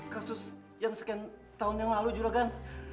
kasus yang sekian tahun yang lalu juragan